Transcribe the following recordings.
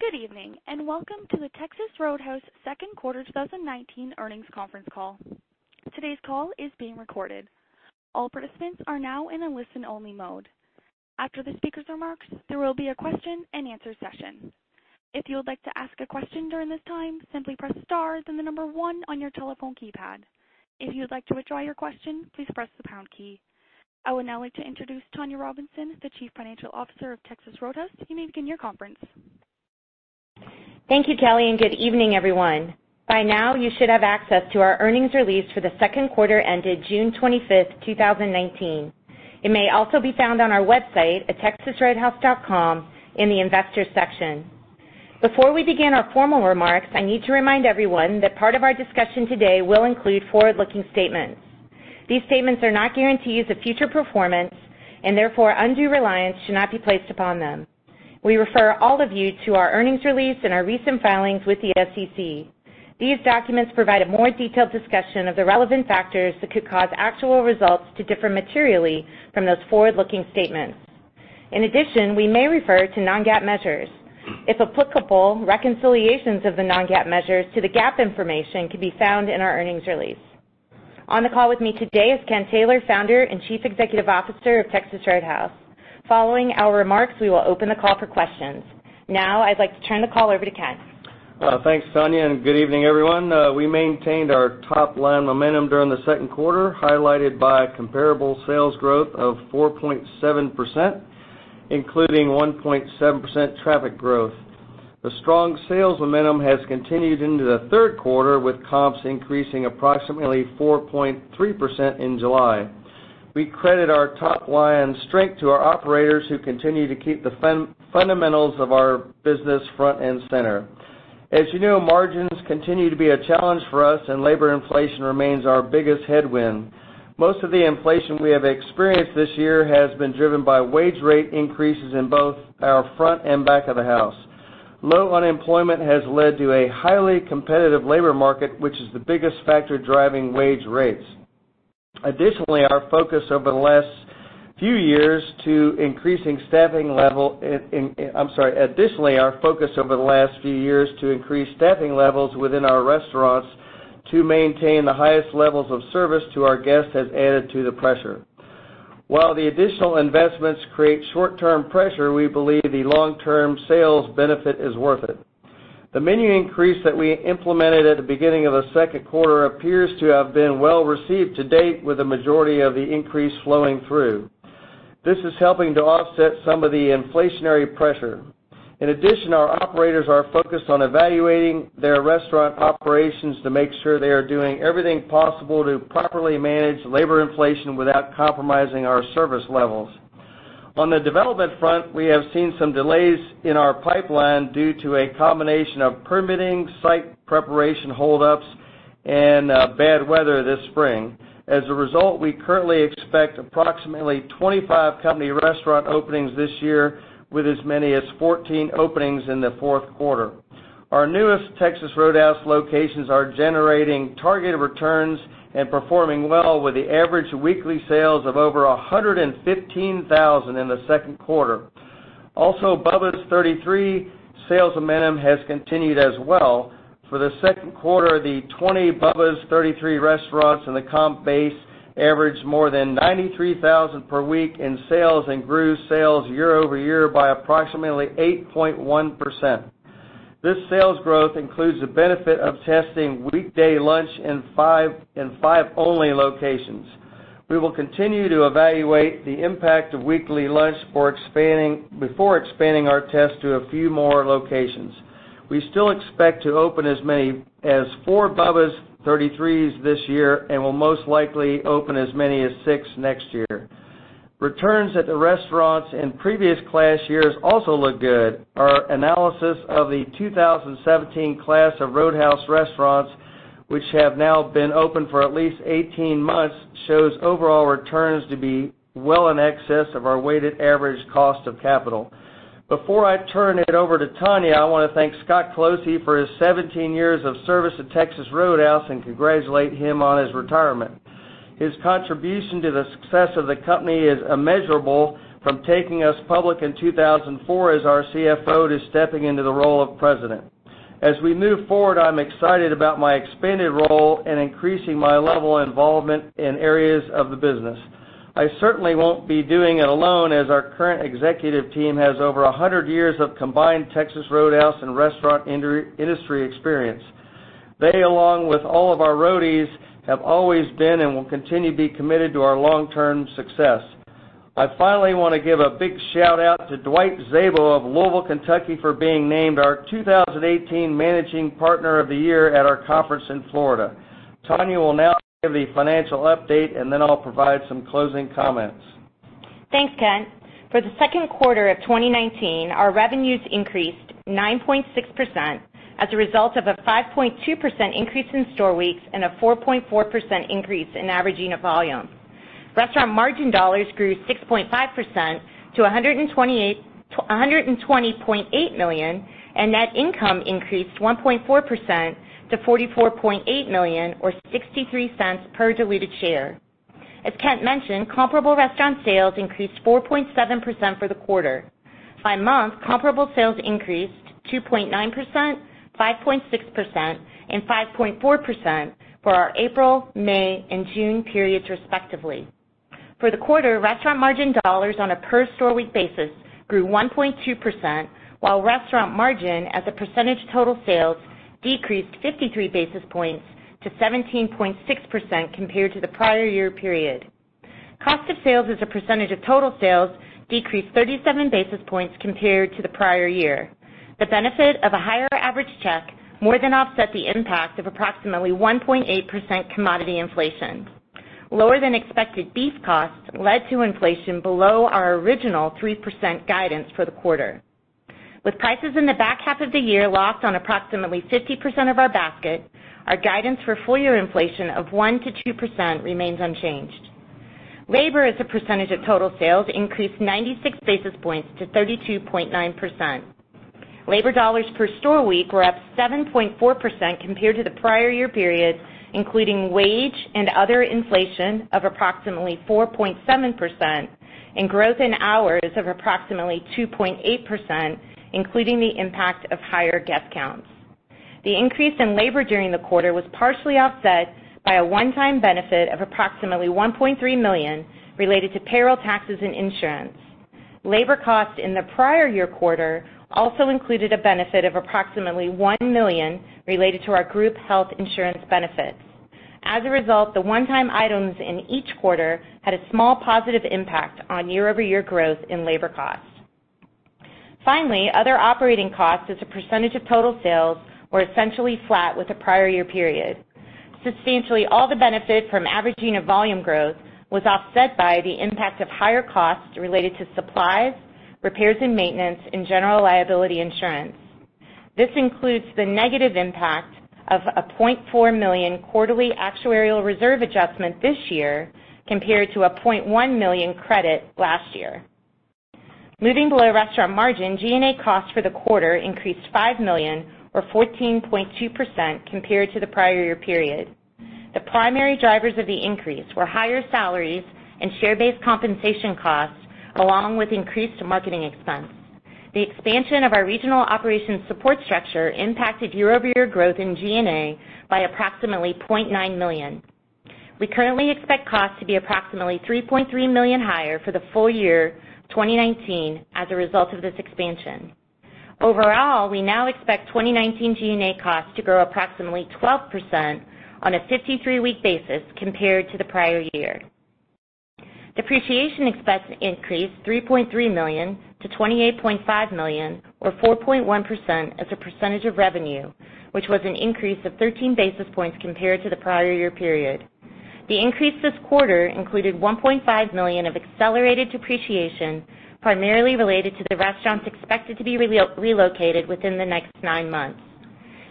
Good evening, and welcome to the Texas Roadhouse second quarter 2019 earnings conference call. Today's call is being recorded. All participants are now in a listen-only mode. After the speaker's remarks, there will be a question-and-answer session. If you would like to ask a question during this time, simply press star then the number one on your telephone keypad. If you would like to withdraw your question, please press the pound key. I would now like to introduce Tonya Robinson, the Chief Financial Officer of Texas Roadhouse. You may begin your conference. Thank you, Kelly, and good evening, everyone. By now, you should have access to our earnings release for the second quarter ended June 25th, 2019. It may also be found on our website at texasroadhouse.com in the Investors section. Before we begin our formal remarks, I need to remind everyone that part of our discussion today will include forward-looking statements. These statements are not guarantees of future performance, and therefore undue reliance should not be placed upon them. We refer all of you to our earnings release and our recent filings with the SEC. These documents provide a more detailed discussion of the relevant factors that could cause actual results to differ materially from those forward-looking statements. In addition, we may refer to non-GAAP measures. If applicable, reconciliations of the non-GAAP measures to the GAAP information can be found in our earnings release. On the call with me today is Kent Taylor, Founder and Chief Executive Officer of Texas Roadhouse. Following our remarks, we will open the call for questions. Now, I'd like to turn the call over to Kent. Thanks, Tonya. Good evening, everyone. We maintained our top-line momentum during the second quarter, highlighted by comparable sales growth of 4.7%, including 1.7% traffic growth. The strong sales momentum has continued into the third quarter, with comps increasing approximately 4.3% in July. We credit our top-line strength to our operators who continue to keep the fundamentals of our business front and center. As you know, margins continue to be a challenge for us, and labor inflation remains our biggest headwind. Most of the inflation we have experienced this year has been driven by wage rate increases in both our front and back of the house. Low unemployment has led to a highly competitive labor market, which is the biggest factor driving wage rates. Additionally, our focus over the last few years to increase staffing levels within our restaurants to maintain the highest levels of service to our guests has added to the pressure. While the additional investments create short-term pressure, we believe the long-term sales benefit is worth it. The menu increase that we implemented at the beginning of the second quarter appears to have been well received to date, with a majority of the increase flowing through. This is helping to offset some of the inflationary pressure. In addition, our operators are focused on evaluating their restaurant operations to make sure they are doing everything possible to properly manage labor inflation without compromising our service levels. On the development front, we have seen some delays in our pipeline due to a combination of permitting, site preparation hold-ups, and bad weather this spring. As a result, we currently expect approximately 25 company restaurant openings this year, with as many as 14 openings in the fourth quarter. Our newest Texas Roadhouse locations are generating targeted returns and performing well with the average weekly sales of over $115,000 in the second quarter. Bubba's 33 sales momentum has continued as well. For the second quarter, the 20 Bubba's 33 restaurants in the comp base averaged more than $93,000 per week in sales and grew sales year-over-year by approximately 8.1%. This sales growth includes the benefit of testing weekday lunch in five only locations. We will continue to evaluate the impact of weekly lunch before expanding our test to a few more locations. We still expect to open as many as four Bubba's 33s this year and will most likely open as many as six next year. Returns at the restaurants in previous class years also look good. Our analysis of the 2017 class of Roadhouse restaurants, which have now been open for at least 18 months, shows overall returns to be well in excess of our weighted average cost of capital. Before I turn it over to Tonya, I want to thank Scott Colosi for his 17 years of service at Texas Roadhouse and congratulate him on his retirement. His contribution to the success of the company is immeasurable, from taking us public in 2004 as our CFO to stepping into the role of President. As we move forward, I'm excited about my expanded role and increasing my level of involvement in areas of the business. I certainly won't be doing it alone, as our current executive team has over 100 years of combined Texas Roadhouse and restaurant industry experience. They, along with all of our Roadies, have always been and will continue to be committed to our long-term success. I finally want to give a big shout-out to Dwight Szabo of Louisville, Kentucky, for being named our 2018 Managing Partner of the Year at our conference in Florida. Tonya will now give the financial update, then I'll provide some closing comments. Thanks, Kent. For the second quarter of 2019, our revenues increased 9.6% as a result of a 5.2% increase in store weeks and a 4.4% increase in average unit volume. Restaurant margin dollars grew 6.5% to $120.8 million, and net income increased 1.4% to $44.8 million or $0.63 per diluted share. As Kent mentioned, comparable restaurant sales increased 4.7% for the quarter. By month, comparable sales increased 2.9%, 5.6%, and 5.4% for our April, May, and June periods respectively. For the quarter, restaurant margin dollars on a per-store week basis grew 1.2%, while restaurant margin as a percentage total sales decreased 53 basis points to 17.6% compared to the prior-year period. Cost of sales as a percentage of total sales decreased 37 basis points compared to the prior year. The benefit of a higher average check more than offset the impact of approximately 1.8% commodity inflation. Lower than expected beef costs led to inflation below our original 3% guidance for the quarter. With prices in the back half of the year locked on approximately 50% of our basket, our guidance for full-year inflation of 1%-2% remains unchanged. Labor as a percentage of total sales increased 96 basis points to 32.9%. Labor dollars per store week were up 7.4% compared to the prior-year period, including wage and other inflation of approximately 4.7% and growth in hours of approximately 2.8%, including the impact of higher guest counts. The increase in labor during the quarter was partially offset by a one-time benefit of approximately $1.3 million related to payroll taxes and insurance. Labor costs in the prior-year quarter also included a benefit of approximately $1 million related to our group health insurance benefits. As a result, the one-time items in each quarter had a small positive impact on year-over-year growth in labor costs. Finally, other operating costs as a percentage of total sales were essentially flat with the prior-year period. Substantially all the benefit from averaging of volume growth was offset by the impact of higher costs related to supplies, repairs and maintenance, and general liability insurance. This includes the negative impact of a $0.4 million quarterly actuarial reserve adjustment this year compared to a $0.1 million credit last year. Moving below restaurant margin, G&A costs for the quarter increased $5 million or 14.2% compared to the prior-year period. The primary drivers of the increase were higher salaries and share-based compensation costs along with increased marketing expense. The expansion of our regional operations support structure impacted year-over-year growth in G&A by approximately $0.9 million. We currently expect costs to be approximately $3.3 million higher for the full year 2019 as a result of this expansion. Overall, we now expect 2019 G&A costs to grow approximately 12% on a 53-week basis compared to the prior year. Depreciation expense increased $3.3 million to $28.5 million or 4.1% as a percentage of revenue, which was an increase of 13 basis points compared to the prior-year period. The increase this quarter included $1.5 million of accelerated depreciation, primarily related to the restaurants expected to be relocated within the next nine months.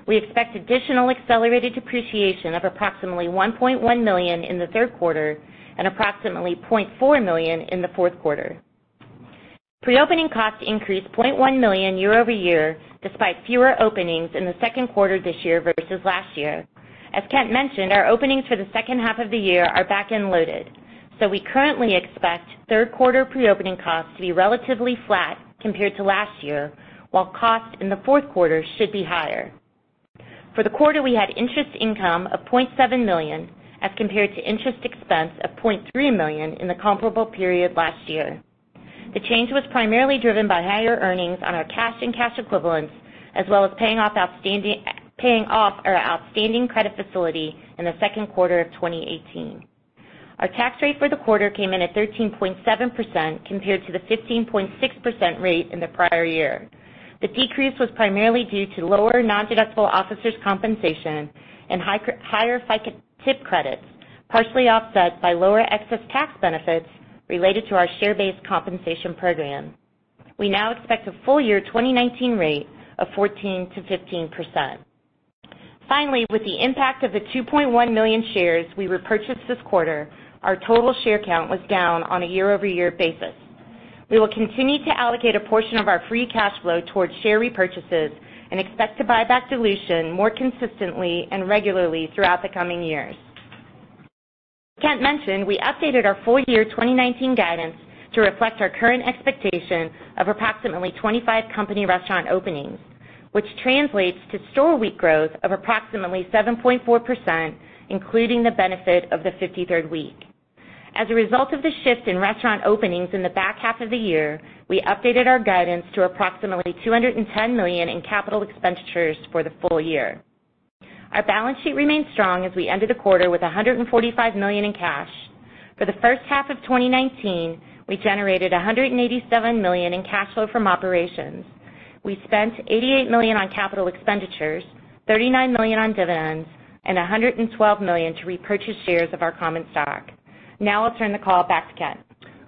We expect additional accelerated depreciation of approximately $1.1 million in the third quarter and approximately $0.4 million in the fourth quarter. Pre-opening costs increased $0.1 million year-over-year, despite fewer openings in the second quarter this year versus last year. As Kent mentioned, our openings for the second half of the year are back-end loaded. We currently expect third quarter pre-opening costs to be relatively flat compared to last year, while costs in the fourth quarter should be higher. For the quarter, we had interest income of $0.7 million as compared to interest expense of $0.3 million in the comparable period last year. The change was primarily driven by higher earnings on our cash and cash equivalents, as well as paying off our outstanding credit facility in the second quarter of 2018. Our tax rate for the quarter came in at 13.7% compared to the 15.6% rate in the prior year. The decrease was primarily due to lower non-deductible officer's compensation and higher FICA tip credits, partially offset by lower excess tax benefits related to our share-based compensation program. We now expect a full year 2019 rate of 14%-15%. Finally, with the impact of the 2.1 million shares we repurchased this quarter, our total share count was down on a year-over-year basis. We will continue to allocate a portion of our free cash flow towards share repurchases and expect to buy back dilution more consistently and regularly throughout the coming years. Kent mentioned we updated our full year 2019 guidance to reflect our current expectation of approximately 25 company restaurant openings, which translates to store week growth of approximately 7.4%, including the benefit of the 53rd week. As a result of the shift in restaurant openings in the back half of the year, we updated our guidance to approximately $210 million in capital expenditures for the full year. Our balance sheet remains strong as we ended the quarter with $145 million in cash. For the first half of 2019, we generated $187 million in cash flow from operations. We spent $88 million on capital expenditures, $39 million on dividends, and $112 million to repurchase shares of our common stock. I'll turn the call back to Kent.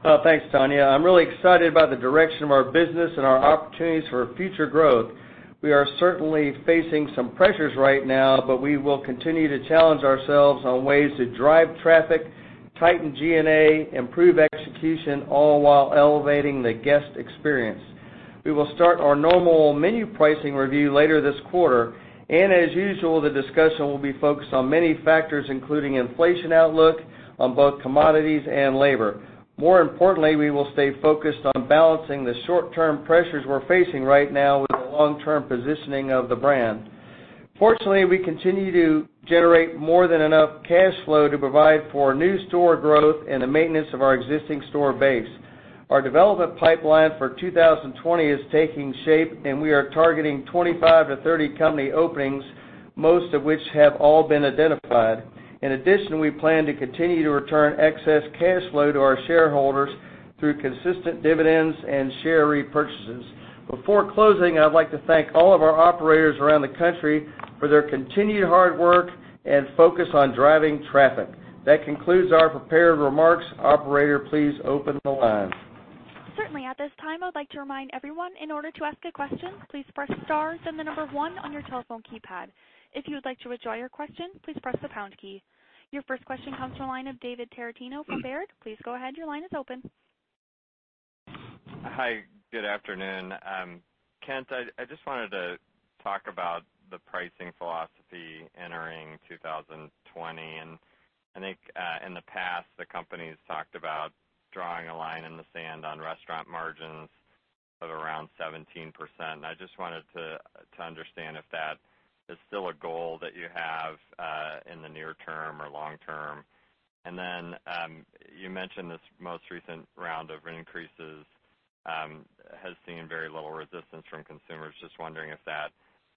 Well, thanks, Tonya. I'm really excited about the direction of our business and our opportunities for future growth. We are certainly facing some pressures right now. We will continue to challenge ourselves on ways to drive traffic, tighten G&A, improve execution, all while elevating the guest experience. We will start our normal menu pricing review later this quarter. As usual, the discussion will be focused on many factors, including inflation outlook on both commodities and labor. More importantly, we will stay focused on balancing the short-term pressures we're facing right now with the long-term positioning of the brand. Fortunately, we continue to generate more than enough cash flow to provide for new store growth and the maintenance of our existing store base. Our development pipeline for 2020 is taking shape. We are targeting 25-30 company openings, most of which have all been identified. In addition, we plan to continue to return excess cash flow to our shareholders through consistent dividends and share repurchases. Before closing, I'd like to thank all of our operators around the country for their continued hard work and focus on driving traffic. That concludes our prepared remarks. Operator, please open the line. Certainly. At this time, I would like to remind everyone, in order to ask a question, please press star then the number one on your telephone keypad. If you would like to withdraw your question, please press the pound key. Your first question comes to the line of David Tarantino from Baird. Please go ahead. Your line is open. Hi. Good afternoon. Kent, I just wanted to talk about the pricing philosophy entering 2020. I think in the past, the company's talked about drawing a line in the sand on restaurant margins of around 17%, and I just wanted to understand if that is still a goal that you have in the near term or long term. You mentioned this most recent round of increases has seen very little resistance from consumers. Just wondering if that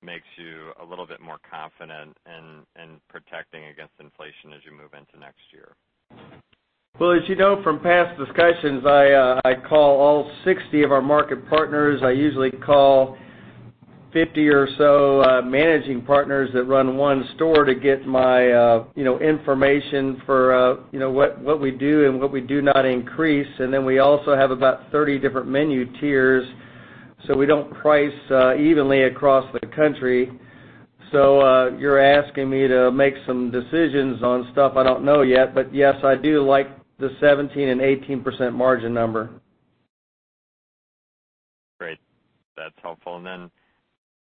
makes you a little bit more confident in protecting against inflation as you move into next year. Well, as you know from past discussions, I call all 60 of our market partners. I usually call 50 or so managing partners that run one store to get my information for what we do and what we do not increase. Then we also have about 30 different menu tiers, so we don't price evenly across the country. You're asking me to make some decisions on stuff I don't know yet, but yes, I do like the 17% and 18% margin number. Great. That's helpful.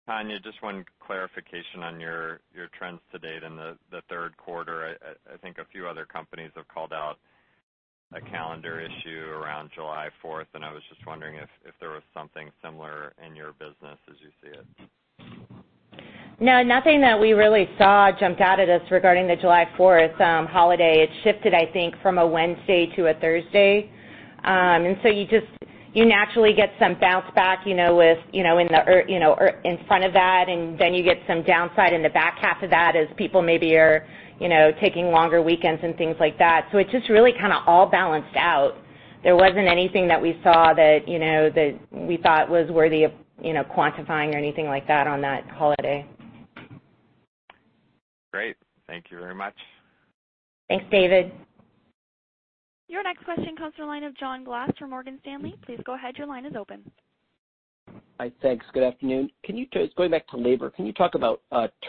Tonya, just one clarification on your trends to date in the third quarter. I think a few other companies have called out a calendar issue around July 4th, and I was just wondering if there was something similar in your business as you see it. No, nothing that we really saw jumped out at us regarding the July 4th holiday. It shifted, I think, from a Wednesday to a Thursday. You naturally get some bounce-back in front of that, and then you get some downside in the back half of that as people maybe are taking longer weekends and things like that. It just really kind of all balanced out. There wasn't anything that we saw that we thought was worthy of quantifying or anything like that on that holiday. Great. Thank you very much. Thanks, David. Your next question comes to the line of John Glass from Morgan Stanley. Please go ahead. Your line is open. Thanks. Good afternoon. Just going back to labor. Can you talk about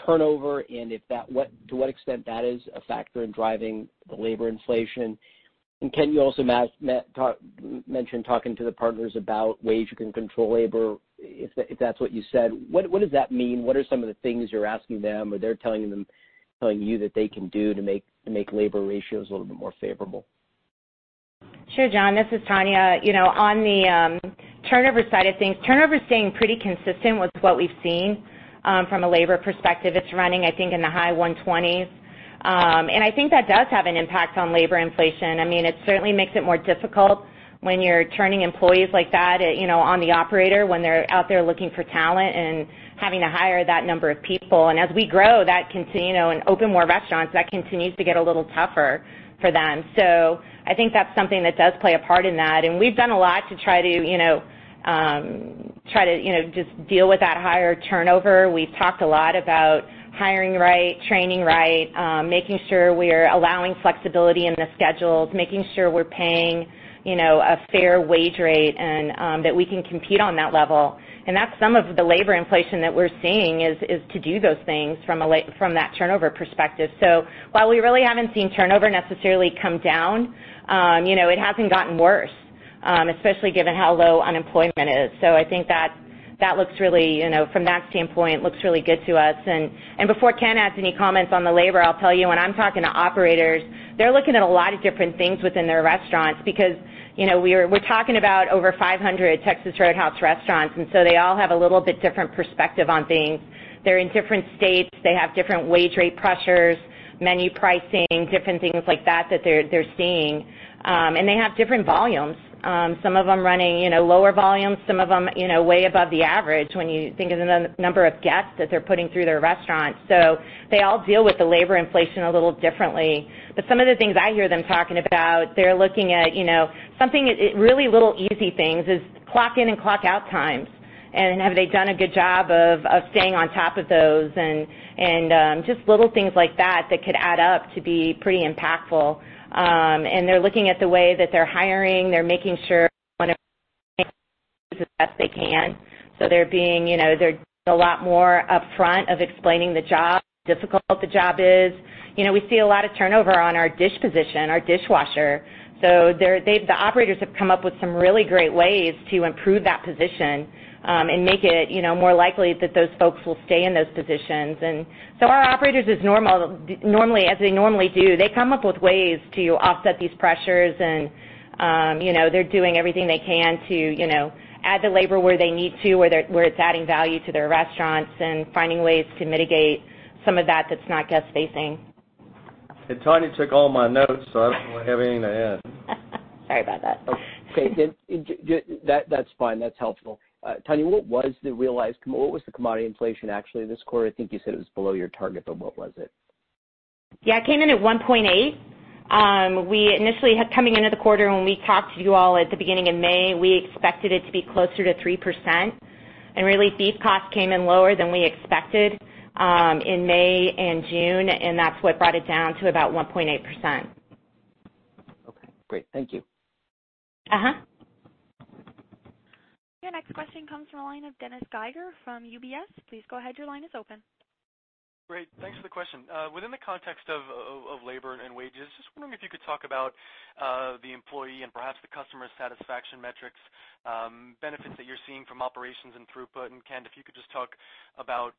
turnover and to what extent that is a factor in driving the labor inflation? Kent, you also mentioned talking to the partners about ways you can control labor, if that's what you said. What does that mean? What are some of the things you're asking them, or they're telling you that they can do to make labor ratios a little bit more favorable? Sure, John, this is Tonya. On the turnover side of things, turnover's staying pretty consistent with what we've seen from a labor perspective. It's running, I think, in the high 120s. I think that does have an impact on labor inflation. It certainly makes it more difficult when you're turning employees like that on the operator when they're out there looking for talent and having to hire that number of people. As we grow and open more restaurants, that continues to get a little tougher for them. I think that's something that does play a part in that. We've done a lot to try to just deal with that higher turnover. We've talked a lot about hiring right, training right, making sure we're allowing flexibility in the schedules. Making sure we're paying a fair wage rate and that we can compete on that level. That's some of the labor inflation that we're seeing is to do those things from that turnover perspective. While we really haven't seen turnover necessarily come down, it hasn't gotten worse, especially given how low unemployment is. I think from that standpoint, looks really good to us. Before Kent adds any comments on the labor, I'll tell you, when I'm talking to operators, they're looking at a lot of different things within their restaurants because we're talking about over 500 Texas Roadhouse restaurants, they all have a little bit different perspective on things. They're in different states. They have different wage rate pressures, menu pricing, different things like that they're seeing. They have different volumes. Some of them running lower volumes, some of them way above the average when you think of the number of guests that they're putting through their restaurants. They all deal with the labor inflation a little differently. Some of the things I hear them talking about, they're looking at something, really little easy things, is clock in and clock out times, and have they done a good job of staying on top of those, and just little things like that could add up to be pretty impactful. They're looking at the way that they're hiring. They're making sure [inaudible] the best they can. They're being a lot more upfront of explaining the job, how difficult the job is. We see a lot of turnover on our dish position, our dishwasher. The operators have come up with some really great ways to improve that position, and make it more likely that those folks will stay in those positions. Our operators, as they normally do, they come up with ways to offset these pressures and they're doing everything they can to add the labor where they need to, where it's adding value to their restaurants and finding ways to mitigate some of that that's not guest facing. Tonya took all my notes, so I don't have anything to add. Sorry about that. Okay. That's fine. That's helpful. Tonya, what was the realized commodity inflation actually this quarter? I think you said it was below your target, but what was it? Yeah, it came in at 1.8%. We initially had, coming into the quarter, when we talked to you all at the beginning of May, we expected it to be closer to 3%. Really, beef costs came in lower than we expected in May and June, and that's what brought it down to about 1.8%. Okay, great. Thank you. Your next question comes from the line of Dennis Geiger from UBS. Please go ahead. Your line is open. Great. Thanks for the question. Within the context of labor and wages, just wondering if you could talk about the employee and perhaps the customer satisfaction metrics, benefits that you're seeing from operations and throughput? Kent, if you could just talk about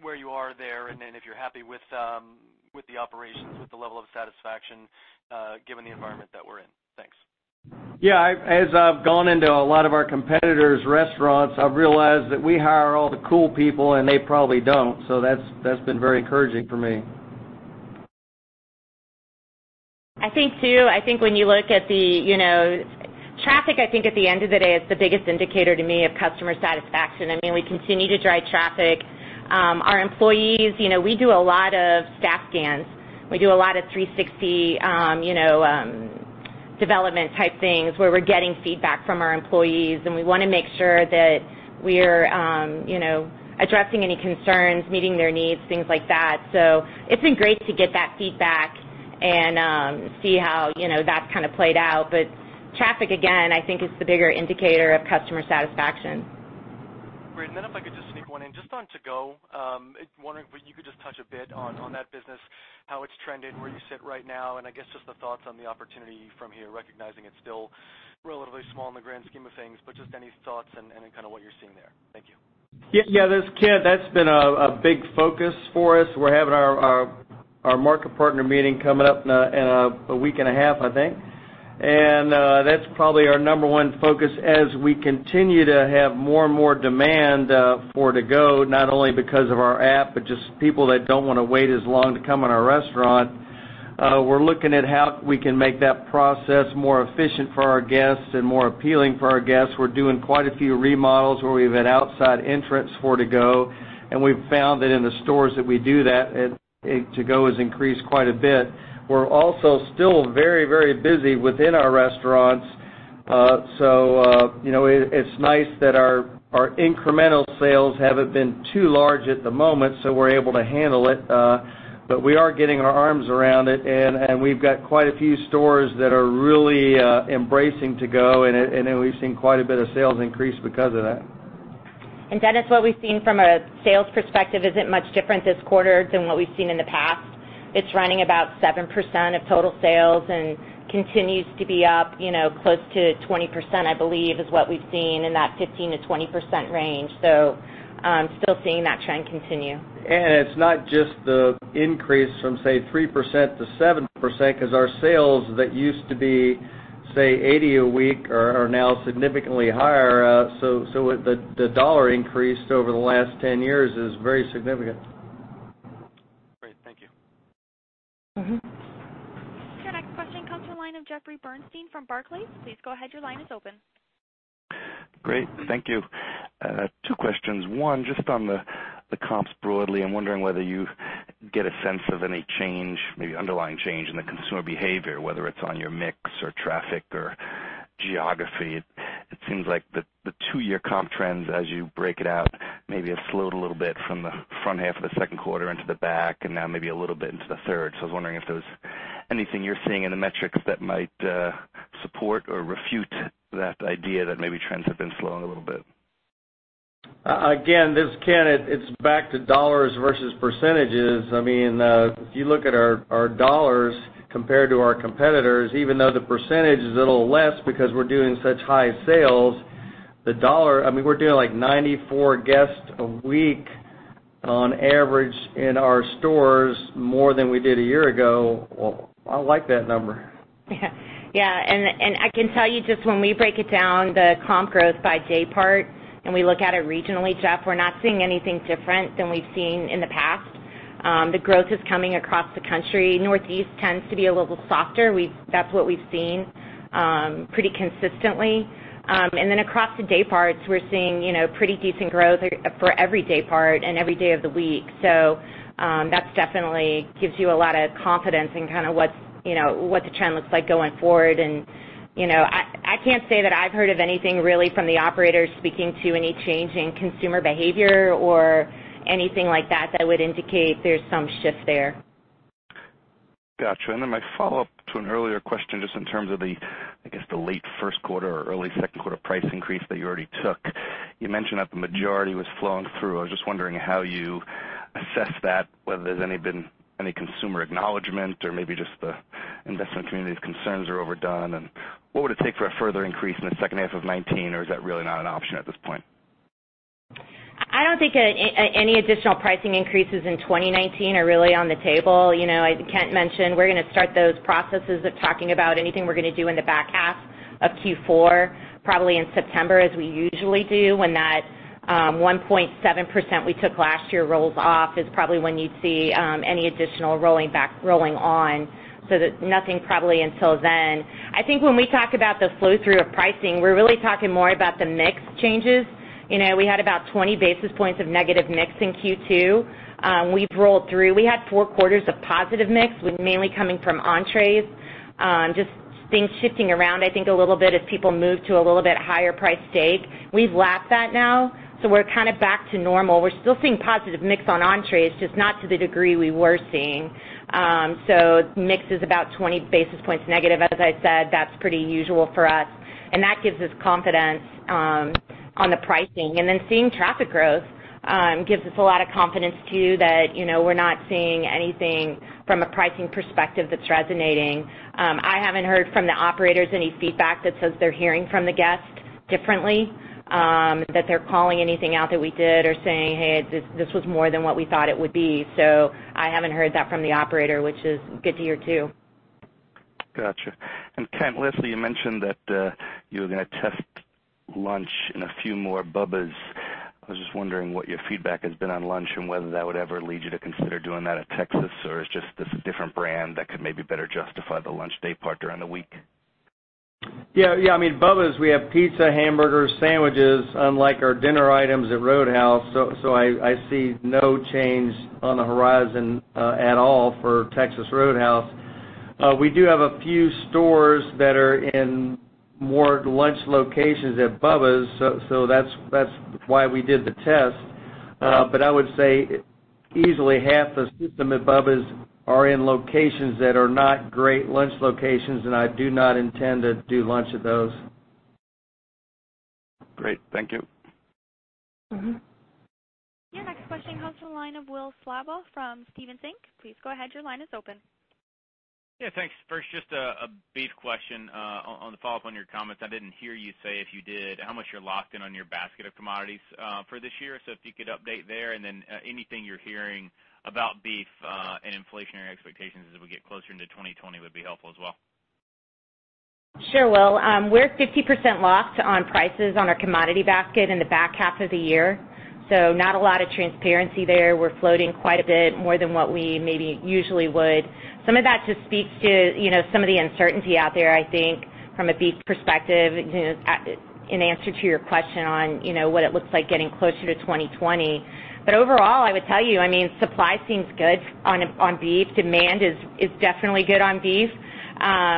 where you are there, and then if you're happy with the operations, with the level of satisfaction, given the environment that we're in? Thanks. Yeah. As I've gone into a lot of our competitors' restaurants, I've realized that we hire all the cool people, and they probably don't. That's been very encouraging for me. I think too, I think when you look at traffic, I think, at the end of the day, is the biggest indicator to me of customer satisfaction. We continue to drive traffic. Our employees, we do a lot of staff scans. We do a lot of 360 development type things where we're getting feedback from our employees, and we want to make sure that we're addressing any concerns, meeting their needs, things like that. It's been great to get that feedback and see how that's kind of played out. Traffic, again, I think is the bigger indicator of customer satisfaction. Great. Then if I could just sneak one in, just on to-go. Wondering if you could just touch a bit on that business, how it's trending, where you sit right now, and I guess just the thoughts on the opportunity from here, recognizing it's still relatively small in the grand scheme of things, but just any thoughts and then what you're seeing there? Thank you. Yeah. This is Kent. That's been a big focus for us. We're having our market partner meeting coming up in a week and a half, I think. That's probably our number one focus as we continue to have more and more demand for to-go, not only because of our app, but just people that don't want to wait as long to come in our restaurant. We're looking at how we can make that process more efficient for our guests and more appealing for our guests. We're doing quite a few remodels where we have an outside entrance for to-go, and we've found that in the stores that we do that, to-go has increased quite a bit. We're also still very busy within our restaurants. It's nice that our incremental sales haven't been too large at the moment, so we're able to handle it. We are getting our arms around it, and we've got quite a few stores that are really embracing to-go, and then we've seen quite a bit of sales increase because of that. Dennis, what we've seen from a sales perspective isn't much different this quarter than what we've seen in the past. It's running about 7% of total sales and continues to be up close to 20%, I believe, is what we've seen, in that 15%-20% range. Still seeing that trend continue. It's not just the increase from, say, 3% to 7%, because our sales that used to be, say, $80 million a week are now significantly higher. The dollar increase over the last 10 years is very significant. Great. Thank you. Your next question comes from the line of Jeffrey Bernstein from Barclays. Please go ahead. Your line is open. Great. Thank you. Two questions. One, just on the comps broadly, I'm wondering whether you get a sense of any change, maybe underlying change in the consumer behavior, whether it's on your mix or traffic or geography. It seems like the two-year comp trends as you break it out, maybe have slowed a little bit from the front half of the second quarter into the back and now maybe a little bit into the third. I was wondering if there was anything you're seeing in the metrics that might support or refute that idea that maybe trends have been slowing a little bit. Again, this is Kent. It's back to dollars versus percentages. If you look at our dollars compared to our competitors, even though the percentage is a little less because we're doing such high sales, we're doing like 94 guests a week on average in our stores, more than we did a year ago. Well, I like that number. Yeah. I can tell you just when we break it down, the comp growth by day part, and we look at it regionally, Jeff, we're not seeing anything different than we've seen in the past. The growth is coming across the country. Northeast tends to be a little softer. That's what we've seen pretty consistently. Across the day parts, we're seeing pretty decent growth for every day part and every day of the week. That definitely gives you a lot of confidence in what the trend looks like going forward. I can't say that I've heard of anything really from the operators speaking to any change in consumer behavior or anything like that that would indicate there's some shift there. Got you. My follow-up to an earlier question, just in terms of the late first quarter or early second quarter price increase that you already took. You mentioned that the majority was flowing through. I was just wondering how you assess that, whether there's any consumer acknowledgment or maybe just the investment community's concerns are overdone. What would it take for a further increase in the second half of 2019, or is that really not an option at this point? I don't think any additional pricing increases in 2019 are really on the table. As Kent mentioned, we're going to start those processes of talking about anything we're going to do in the back half of Q4, probably in September as we usually do, when that 1.7% we took last year rolls off, is probably when you'd see any additional rolling on. Nothing probably until then. I think when we talk about the flow-through of pricing, we're really talking more about the mix changes. We had about 20 basis points of negative mix in Q2. We've rolled through. We had four quarters of positive mix, mainly coming from entrees. Just things shifting around, I think, a little bit as people move to a little bit higher priced steak. We've lapped that now, so we're back to normal. We're still seeing positive mix on entrees, just not to the degree we were seeing. Mix is about 20 basis points negative, as I said. That's pretty usual for us, and that gives us confidence on the pricing. Seeing traffic growth gives us a lot of confidence too, that we're not seeing anything from a pricing perspective that's resonating. I haven't heard from the operators any feedback that says they're hearing from the guests differently, that they're calling anything out that we did or saying, "Hey, this was more than what we thought it would be." I haven't heard that from the operator, which is good to hear too. Got you. Kent, lastly, you mentioned that you were going to test lunch in a few more Bubba's. I was just wondering what your feedback has been on lunch and whether that would ever lead you to consider doing that at Texas, or is just this a different brand that could maybe better justify the lunch day part during the week? Yeah. Bubba's, we have pizza, hamburgers, sandwiches, unlike our dinner items at Roadhouse. I see no change on the horizon at all for Texas Roadhouse. We do have a few stores that are in more lunch locations at Bubba's. That's why we did the test. I would say easily half the system at Bubba's are in locations that are not great lunch locations. I do not intend to do lunch at those. Great. Thank you. Your next question comes from the line of Will Slabaugh from Stephens Inc. Please go ahead, your line is open. Yeah, thanks. First, just a brief question on the follow-up on your comments. I didn't hear you say, if you did, how much you're locked in on your basket of commodities for this year. If you could update there, and then anything you're hearing about beef and inflationary expectations as we get closer into 2020 would be helpful as well. Sure, Will. We're 50% locked on prices on our commodity basket in the back half of the year, not a lot of transparency there. We're floating quite a bit more than what we maybe usually would. Some of that just speaks to some of the uncertainty out there, I think, from a beef perspective, in answer to your question on what it looks like getting closer to 2020. Overall, I would tell you, supply seems good on beef. Demand is definitely good on beef.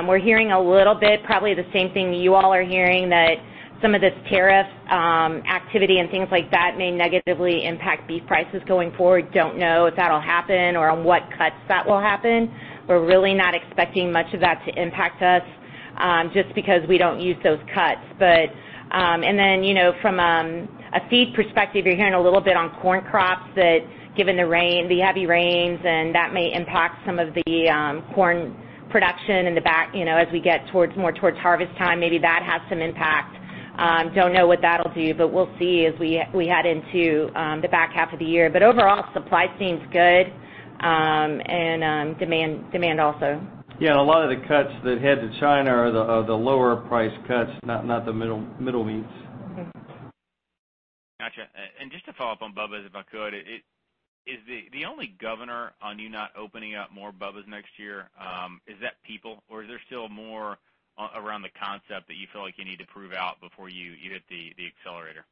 We're hearing a little bit, probably the same thing you all are hearing, that some of this tariff activity and things like that may negatively impact beef prices going forward. Don't know if that'll happen or on what cuts that will happen. We're really not expecting much of that to impact us, just because we don't use those cuts. From a feed perspective, you're hearing a little bit on corn crops that given the heavy rains, and that may impact some of the corn production as we get more towards harvest time. Maybe that has some impact. Don't know what that'll do, but we'll see as we head into the back half of the year. Overall, supply seems good, and demand also. Yeah, a lot of the cuts that head to China are the lower-priced cuts, not the middle meats. Got you. Just to follow up on Bubba's, if I could. Is the only governor on you not opening up more Bubba's next year, is that people, or is there still more around the concept that you feel like you need to prove out before you hit the accelerator?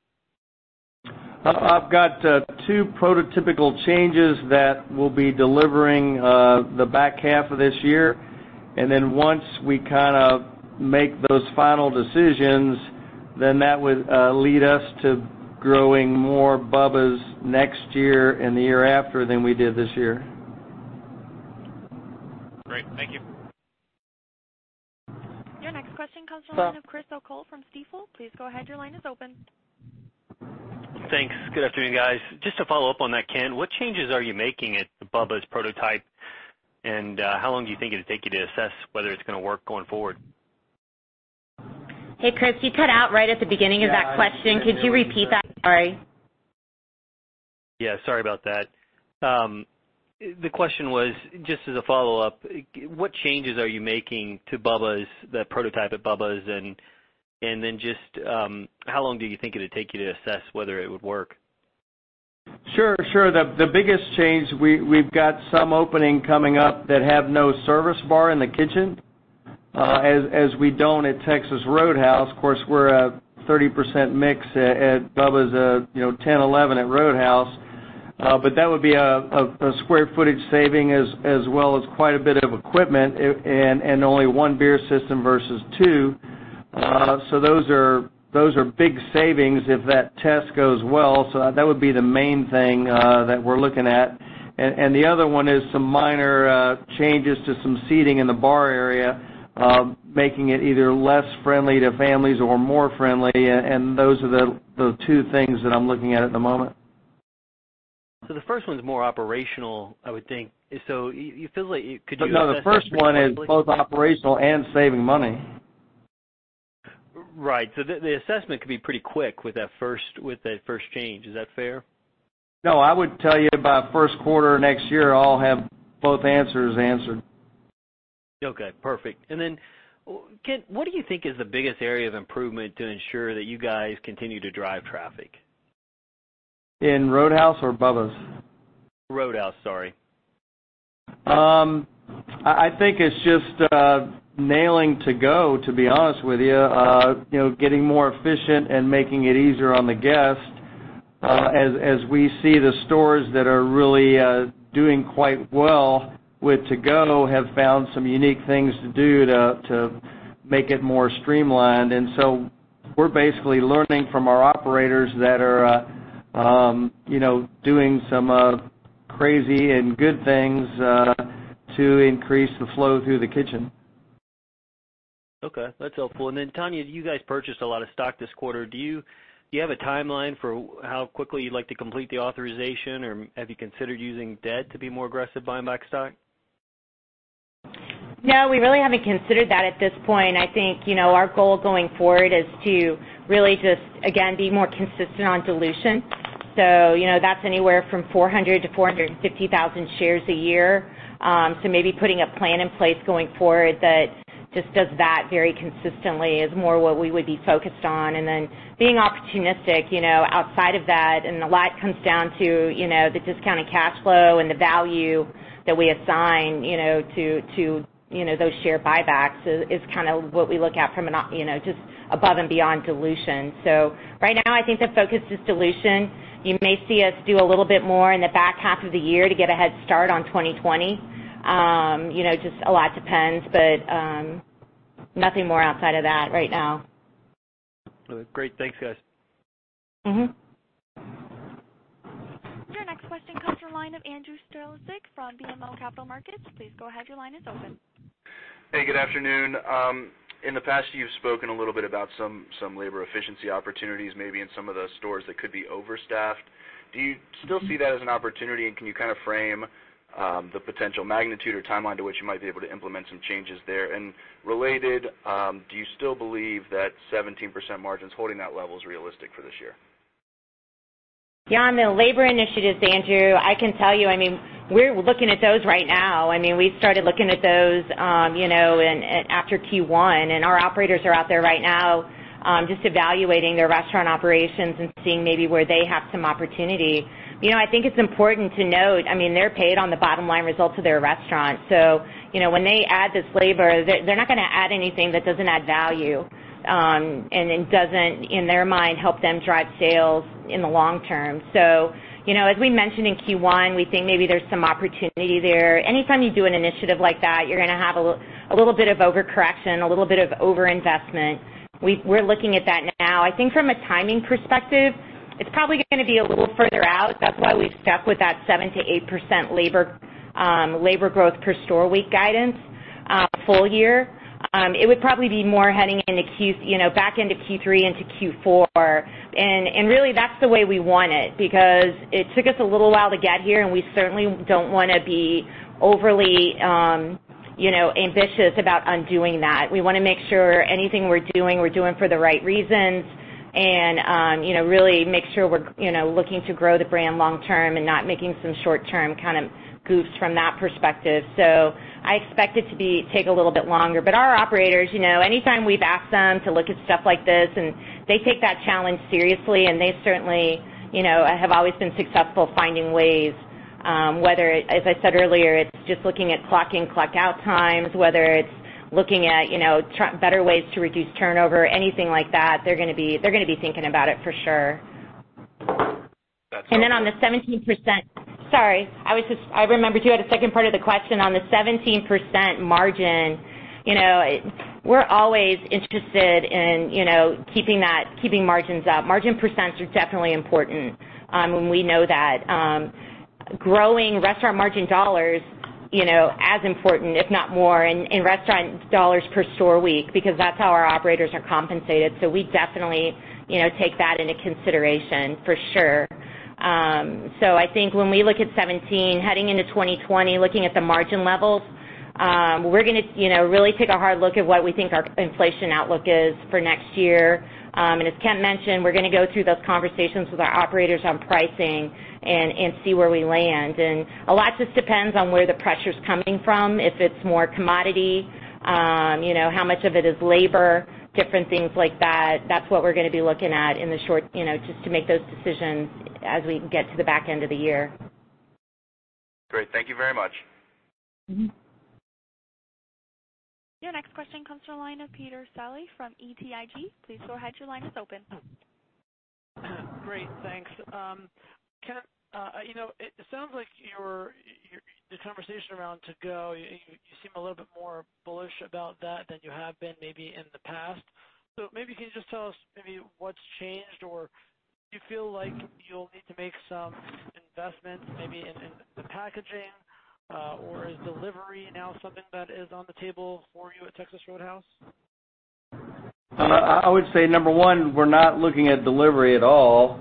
I've got two prototypical changes that we'll be delivering the back half of this year, and then once we make those final decisions, then that would lead us to growing more Bubba's next year and the year after than we did this year. Great. Thank you. Your next question comes from the line of Chris O'Cull from Stifel. Please go ahead, your line is open. Thanks. Good afternoon, guys. Just to follow up on that, Kent, what changes are you making at the Bubba's prototype, and how long do you think it'll take you to assess whether it's going to work going forward? Hey, Chris, you cut out right at the beginning of that question. Could you repeat that? Sorry. Yeah, sorry about that. The question was, just as a follow-up, what changes are you making to the prototype at Bubba's, and then just how long do you think it'd take you to assess whether it would work? Sure. The biggest change, we've got some opening coming up that have no service bar in the kitchen, as we don't at Texas Roadhouse. Of course, we're a 30% mix at Bubba's, 10%, 11% at Roadhouse. That would be a square footage saving as well as quite a bit of equipment, and only one beer system versus two. Those are big savings if that test goes well. That would be the main thing that we're looking at. The other one is some minor changes to some seating in the bar area, making it either less friendly to families or more friendly. Those are the two things that I'm looking at at the moment. The first one's more operational, I would think. You feel like could you assess that pretty quickly? No, the first one is both operational and saving money. Right. The assessment could be pretty quick with that first change. Is that fair? No, I would tell you by first quarter next year, I'll have both answers answered. Okay, perfect. Kent, what do you think is the biggest area of improvement to ensure that you guys continue to drive traffic? In Roadhouse or Bubba's? Roadhouse, sorry. I think it's just nailing to-go, to be honest with you. Getting more efficient and making it easier on the guest. We see the stores that are really doing quite well with to-go have found some unique things to do to make it more streamlined. We're basically learning from our operators that are doing some crazy and good things to increase the flow through the kitchen. Okay, that's helpful. Tonya, you guys purchased a lot of stock this quarter. Do you have a timeline for how quickly you'd like to complete the authorization, or have you considered using debt to be more aggressive buying back stock? No, we really haven't considered that at this point. I think our goal going forward is to really just, again, be more consistent on dilution. That's anywhere from 400,000-450,000 shares a year. Maybe putting a plan in place going forward that just does that very consistently is more what we would be focused on. Being opportunistic outside of that, and a lot comes down to the discounted cash flow and the value that we assign to those share buybacks is what we look at from just above and beyond dilution. Right now, I think the focus is dilution. You may see us do a little bit more in the back half of the year to get a head start on 2020. Just a lot depends, but nothing more outside of that right now. Great. Thanks, guys. Your next question comes from the line of Andrew Strelzik from BMO Capital Markets. Please go ahead, your line is open. Hey, good afternoon. In the past, you've spoken a little bit about some labor efficiency opportunities, maybe in some of the stores that could be overstaffed. Do you still see that as an opportunity, and can you frame the potential magnitude or timeline to which you might be able to implement some changes there? Related, do you still believe that 17% margins, holding that level, is realistic for this year? Yeah, on the labor initiatives, Andrew, I can tell you, we're looking at those right now. We started looking at those after Q1, our operators are out there right now just evaluating their restaurant operations and seeing maybe where they have some opportunity. I think it's important to note, they're paid on the bottom-line results of their restaurant. When they add this labor, they're not going to add anything that doesn't add value, and it doesn't, in their mind, help them drive sales in the long term. As we mentioned in Q1, we think maybe there's some opportunity there. Anytime you do an initiative like that, you're going to have a little bit of overcorrection, a little bit of overinvestment. We're looking at that now. I think from a timing perspective, it's probably going to be a little further out. That's why we've stuck with that 7%-8% labor growth per store week guidance full year. It would probably be more heading back into Q3 into Q4. Really that's the way we want it because it took us a little while to get here and we certainly don't want to be overly ambitious about undoing that. We want to make sure anything we're doing, we're doing for the right reasons and really make sure we're looking to grow the brand long term and not making some short term kind of goofs from that perspective. I expect it to take a little bit longer. Our operators, anytime we've asked them to look at stuff like this, and they take that challenge seriously and they certainly have always been successful finding ways, whether, as I said earlier, it's just looking at clock-in, clock-out times, whether it's looking at better ways to reduce turnover, anything like that, they're going to be thinking about it for sure. That's helpful. Then on the 17%, sorry, I remembered too, I had a second part of the question. On the 17% margin, we're always interested in keeping margins up. Margin percents are definitely important. We know that growing restaurant margin dollars, as important if not more in restaurant dollars per store week, because that's how our operators are compensated. We definitely take that into consideration for sure. I think when we look at 17% heading into 2020, looking at the margin levels, we're going to really take a hard look at what we think our inflation outlook is for next year. As Kent mentioned, we're going to go through those conversations with our operators on pricing and see where we land. A lot just depends on where the pressure's coming from, if it's more commodity, how much of it is labor, different things like that. That's what we're going to be looking at just to make those decisions as we get to the back end of the year. Great. Thank you very much. Your next question comes from the line of Peter Saleh from BTIG. Please go ahead, your line is open. Great. Thanks. It sounds like the conversation around to-go, you seem a little bit more bullish about that than you have been maybe in the past. Maybe can you just tell us maybe what's changed, or do you feel like you'll need to make some investments maybe in the packaging, or is delivery now something that is on the table for you at Texas Roadhouse? I would say, number one, we're not looking at delivery at all.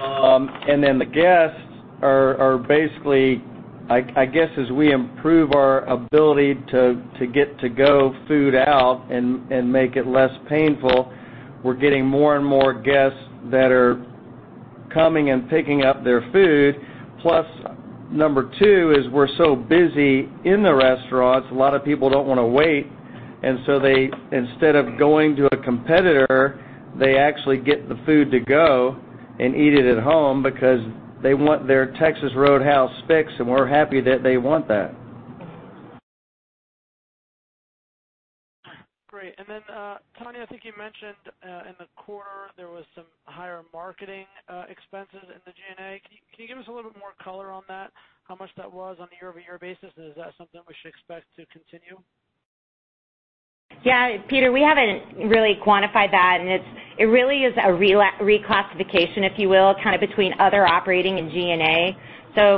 The guests are basically, I guess, as we improve our ability to get to-go food out and make it less painful, we're getting more and more guests that are coming and picking up their food. Number two is we're so busy in the restaurants, a lot of people don't want to wait, and so they, instead of going to a competitor, they actually get the food to go and eat it at home because they want their Texas Roadhouse fix, and we're happy that they want that. Great. Then, Tonya, I think you mentioned in the quarter there was some higher marketing expenses in the G&A. Can you give us a little bit more color on that, how much that was on a year-over-year basis? Is that something we should expect to continue? Peter, we haven't really quantified that, and it really is a reclassification, if you will, between other operating and G&A.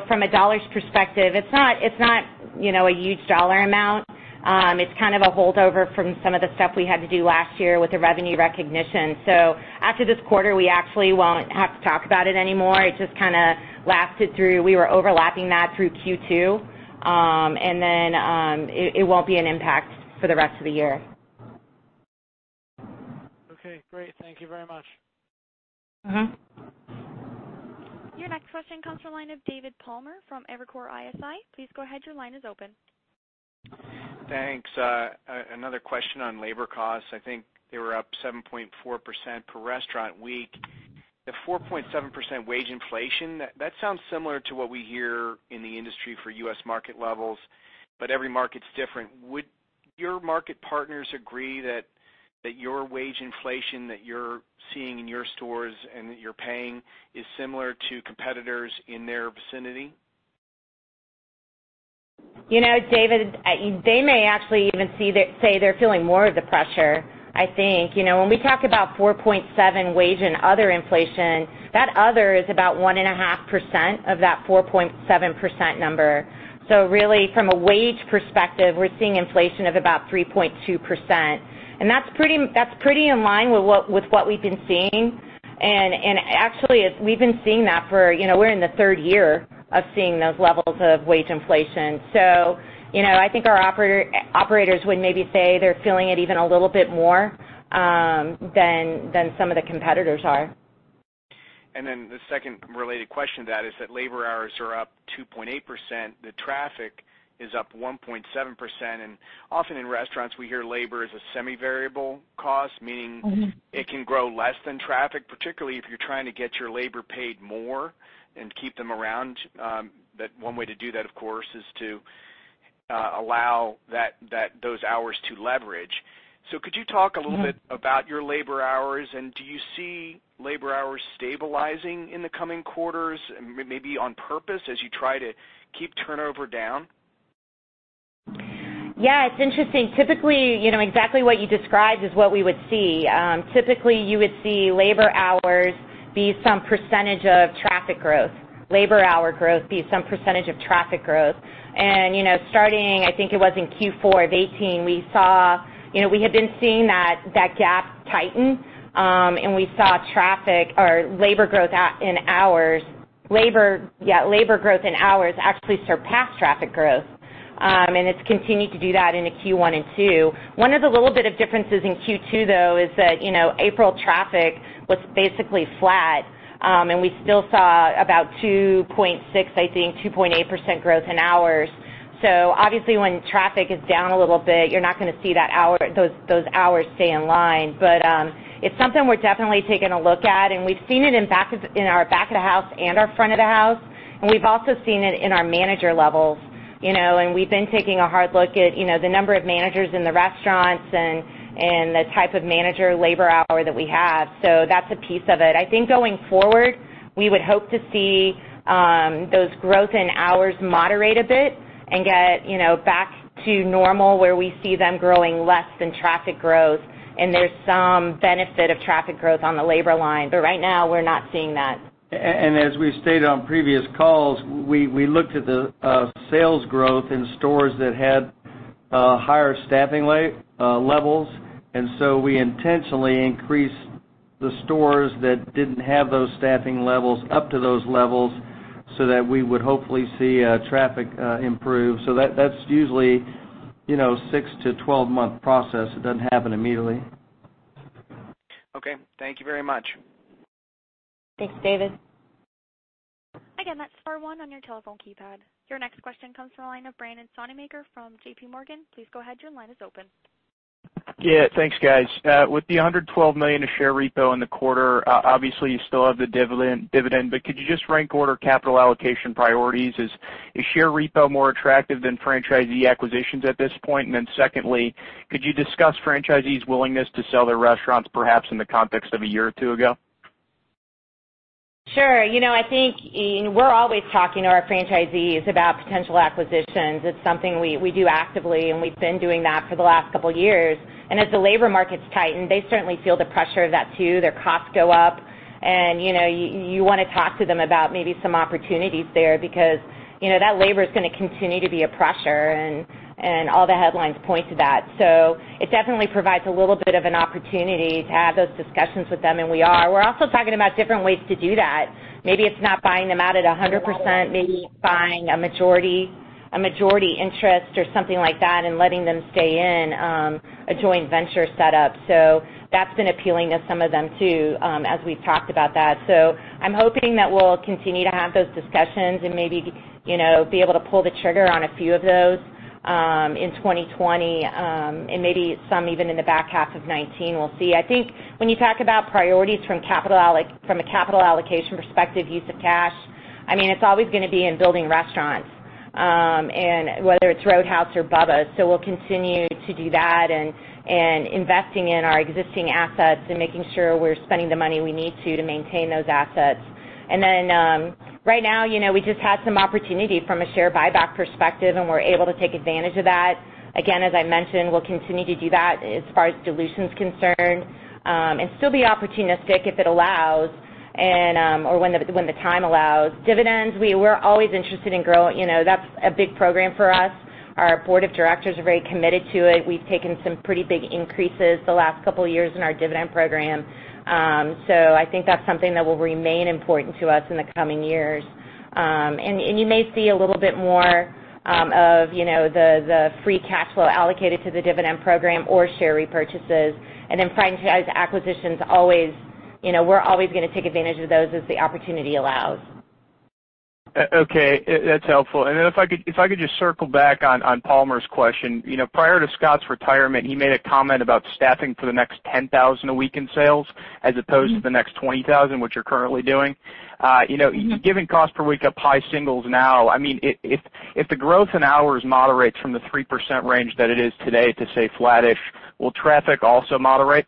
From a dollars perspective, it's not a huge dollar amount. It's a holdover from some of the stuff we had to do last year with the revenue recognition. After this quarter, we actually won't have to talk about it anymore. It just lasted through, we were overlapping that through Q2. It won't be an impact for the rest of the year. Okay, great. Thank you very much. Your next question comes from the line of David Palmer from Evercore ISI. Please go ahead, your line is open. Thanks. Another question on labor costs. I think they were up 7.4% per restaurant week. The 4.7% wage inflation, that sounds similar to what we hear in the industry for U.S. market levels. Every market's different. Would your market partners agree that your wage inflation that you're seeing in your stores and that you're paying is similar to competitors in their vicinity? David, they may actually even say they're feeling more of the pressure, I think. When we talk about 4.7% wage and other inflation, that other is about 1.5% of that 4.7% number. Really, from a wage perspective, we're seeing inflation of about 3.2%, and that's pretty in line with what we've been seeing. Actually, we're in the third year of seeing those levels of wage inflation. I think our operators would maybe say they're feeling it even a little bit more than some of the competitors are. The second related question to that is that labor hours are up 2.8%, the traffic is up 1.7%. Often in restaurants, we hear labor is a semi-variable cost, meaning it can grow less than traffic, particularly if you're trying to get your labor paid more and keep them around. That one way to do that, of course, is to allow those hours to leverage. Could you talk a little bit about your labor hours, and do you see labor hours stabilizing in the coming quarters, maybe on purpose, as you try to keep turnover down? Yeah, it's interesting. Typically, exactly what you described is what we would see. Typically, you would see labor hours be some percentage of traffic growth. Labor hour growth be some percentage of traffic growth. Starting, I think it was in Q4 of 2018, we had been seeing that gap tighten. We saw labor growth in hours actually surpass traffic growth. It's continued to do that into Q1 and Q2. One of the little bit of differences in Q2, though, is that April traffic was basically flat. We still saw about 2.6%, I think, 2.8% growth in hours. Obviously when traffic is down a little bit, you're not going to see those hours stay in line. It's something we're definitely taking a look at, and we've seen it in our back of the house and our front of the house, and we've also seen it in our manager levels. We've been taking a hard look at the number of managers in the restaurants and the type of manager labor hour that we have. That's a piece of it. I think going forward, we would hope to see those growth in hours moderate a bit and get back to normal where we see them growing less than traffic growth and there's some benefit of traffic growth on the labor line. Right now, we're not seeing that. As we've stated on previous calls, we looked at the sales growth in stores that had higher staffing levels, we intentionally increased the stores that didn't have those staffing levels up to those levels so that we would hopefully see traffic improve. That's usually 6- to 12-month process. It doesn't happen immediately. Okay. Thank you very much. Thanks, David. Again, that's star one on your telephone keypad. Your next question comes from the line of Brandon Sonnemaker from JPMorgan. Please go ahead, your line is open. Yeah. Thanks, guys. With the $112 million of share repo in the quarter, obviously, you still have the dividend, but could you just rank order capital allocation priorities? Is share repo more attractive than franchisee acquisitions at this point? Secondly, could you discuss franchisees' willingness to sell their restaurants, perhaps in the context of a year or two ago? Sure. I think we're always talking to our franchisees about potential acquisitions. It's something we do actively, and we've been doing that for the last couple of years. As the labor market's tightened, they certainly feel the pressure of that, too. Their costs go up, and you want to talk to them about maybe some opportunities there because that labor's going to continue to be a pressure, and all the headlines point to that. It definitely provides a little bit of an opportunity to have those discussions with them, and we are. We're also talking about different ways to do that. Maybe it's not buying them out at 100%, maybe buying a majority interest or something like that and letting them stay in, a joint venture set up. That's been appealing to some of them, too, as we've talked about that. I'm hoping that we'll continue to have those discussions and maybe be able to pull the trigger on a few of those in 2020, and maybe some even in the back half of 2019. We'll see. I think when you talk about priorities from a capital allocation perspective, use of cash, it's always going to be in building restaurants, and whether it's Roadhouse or Bubba's. We'll continue to do that and investing in our existing assets and making sure we're spending the money we need to maintain those assets. Right now, we just had some opportunity from a share buyback perspective, and we're able to take advantage of that. Again, as I mentioned, we'll continue to do that as far as dilution's concerned, and still be opportunistic if it allows or when the time allows. Dividends, we're always interested in growing—that's a big program for us. Our board of directors are very committed to it. We've taken some pretty big increases the last couple of years in our dividend program. I think that's something that will remain important to us in the coming years. You may see a little bit more of the free cash flow allocated to the dividend program or share repurchases, and then franchise acquisitions, we're always going to take advantage of those as the opportunity allows. Okay. That's helpful. If I could just circle back on Palmer's question. Prior to Scott's retirement, he made a comment about staffing for the next $10,000 a week in sales as opposed to the next $20,000, which you're currently doing. Given cost per week up high singles now, if the growth in hours moderates from the 3% range that it is today to, say, flattish, will traffic also moderate?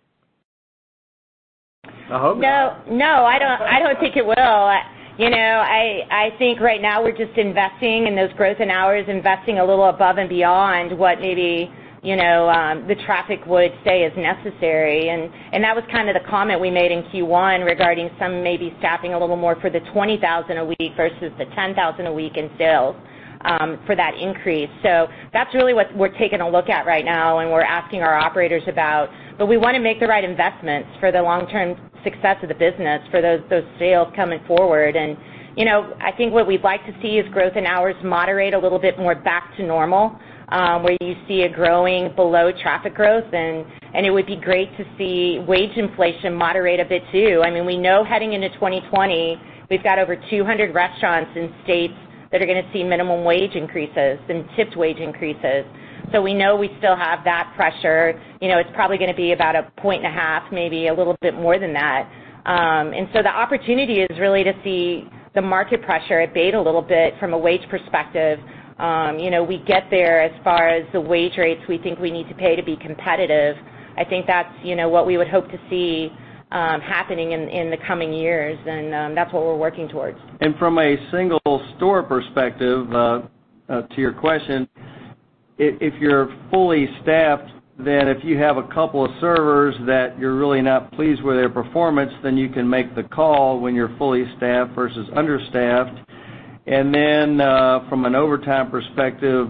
I hope— No, I don't think it will. I think right now we're just investing in those growth in hours, investing a little above and beyond what maybe the traffic would say is necessary. That was kind of the comment we made in Q1 regarding some maybe staffing a little more for the $20,000 a week versus the $10,000 a week in sales for that increase. That's really what we're taking a look at right now and we're asking our operators about. We want to make the right investments for the long-term success of the business for those sales coming forward. I think what we'd like to see is growth in hours moderate a little bit more back to normal, where you see it growing below traffic growth, and it would be great to see wage inflation moderate a bit, too. We know heading into 2020, we've got over 200 restaurants in states that are going to see minimum wage increases and tipped wage increases. We know we still have that pressure. It's probably going to be about 1.5 points, maybe a little bit more than that. The opportunity is really to see the market pressure abate a little bit from a wage perspective. We get there as far as the wage rates we think we need to pay to be competitive. I think that's what we would hope to see happening in the coming years, and that's what we're working towards. From a single-store perspective, to your question, if you're fully staffed, then if you have a couple of servers that you're really not pleased with their performance, then you can make the call when you're fully staffed versus understaffed. From an overtime perspective,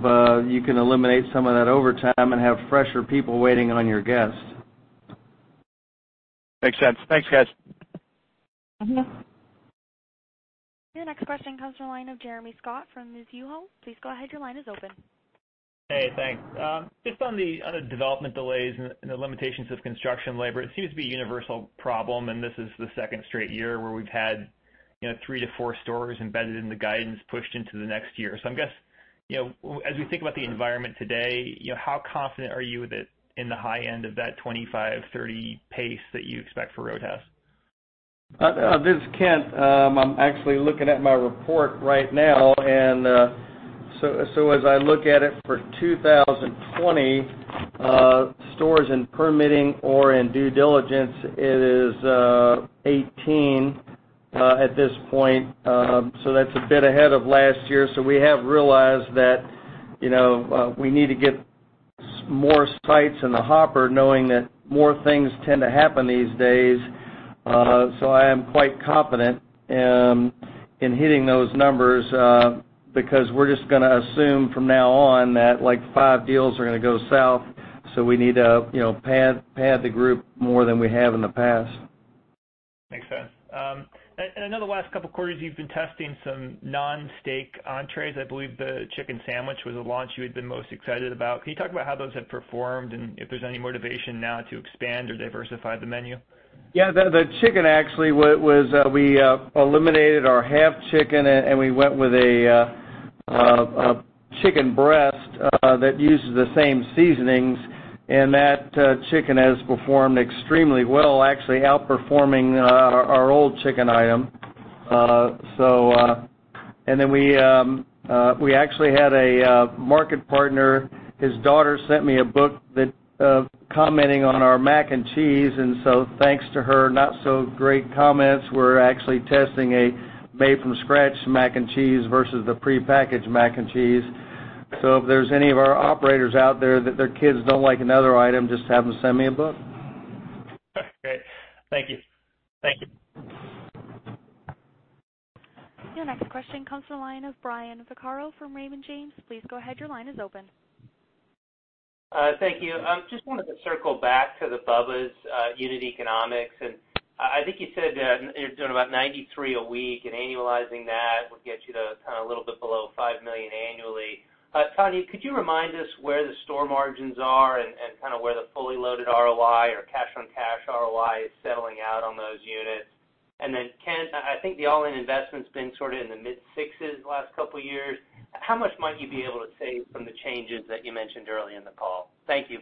you can eliminate some of that overtime and have fresher people waiting on your guests. Makes sense. Thanks, guys. Your next question comes from the line of Jeremy Scott from Mizuho. Please go ahead, your line is open. Hey, thanks. Just on the development delays and the limitations of construction labor, it seems to be a universal problem, and this is the second straight year where we've had three to four stores embedded in the guidance pushed into the next year. I guess, as we think about the environment today, how confident are you that in the high end of that 25-30 pace that you expect for Roadhouse? This is Kent. I'm actually looking at my report right now. As I look at it for 2020, stores and permitting or in due diligence, it is 18 at this point. That's a bit ahead of last year. We have realized that we need to get more sites in the hopper, knowing that more things tend to happen these days. I am quite confident in hitting those numbers, because we're just going to assume from now on that, like, five deals are going to go south, so we need to pad the group more than we have in the past. Makes sense. I know the last couple of quarters, you've been testing some non-steak entrees. I believe the chicken sandwich was the launch you had been most excited about. Can you talk about how those have performed and if there's any motivation now to expand or diversify the menu? Yeah, the chicken actually, we eliminated our half chicken, and we went with a chicken breast that uses the same seasonings, and that chicken has performed extremely well, actually outperforming our old chicken item. We actually had a market partner, his daughter sent me a book commenting on our mac and cheese. Thanks to her not-so-great comments, we're actually testing a made-from-scratch mac and cheese versus the prepackaged mac and cheese. If there's any of our operators out there that their kids don't like another item, just have them send me a book. Great. Thank you. Your next question comes from the line of Brian Vaccaro from Raymond James. Please go ahead, your line is open. Thank you. I think you said you're doing about $93,000 a week, annualizing that would get you to kind of a little bit below $5 million annually. Tonya, could you remind us where the store margins are and kind of where the fully loaded ROI or cash-on-cash ROI is settling out on those units? Then Kent, I think the all-in investment's been sort of in the mid-6s the last couple of years. How much might you be able to save from the changes that you mentioned earlier in the call? Thank you.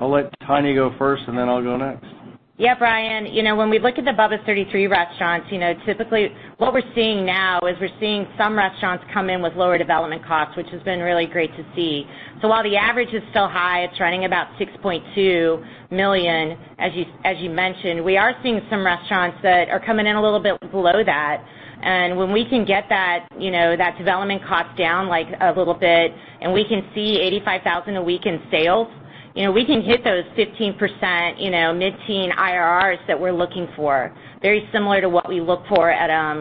I'll let Tonya go first, and then I'll go next. Brian. When we look at the Bubba's 33 restaurants, typically, what we're seeing now is we're seeing some restaurants come in with lower development costs, which has been really great to see. While the average is still high, it's running about $6.2 million, as you mentioned, we are seeing some restaurants that are coming in a little bit below that. When we can get that development cost down a little bit and we can see $85,000 a week in sales, we can hit those 15%, mid-teen IRRs that we're looking for, very similar to what we look for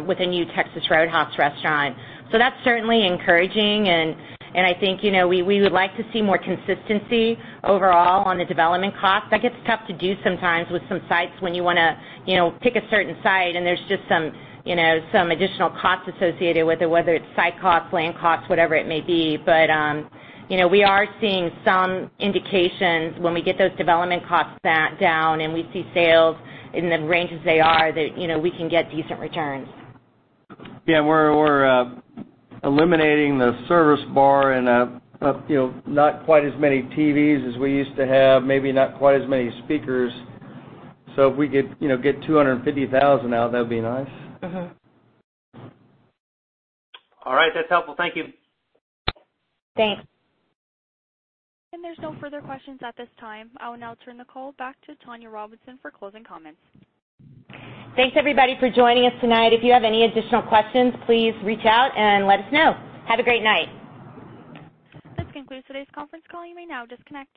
with a new Texas Roadhouse restaurant. That's certainly encouraging, and I think we would like to see more consistency overall on the development cost. That gets tough to do sometimes with some sites when you want to pick a certain site and there's just some additional costs associated with it, whether it's site cost, land cost, whatever it may be. We are seeing some indications when we get those development costs down and we see sales in the ranges they are that we can get decent returns. Yeah, we're eliminating the service bar and not quite as many TVs as we used to have, maybe not quite as many speakers. If we could get $250,000 out, that'd be nice. All right, that's helpful. Thank you. Thanks. There's no further questions at this time. I will now turn the call back to Tonya Robinson for closing comments. Thanks everybody for joining us tonight. If you have any additional questions, please reach out and let us know. Have a great night. This concludes today's conference call. You may now disconnect.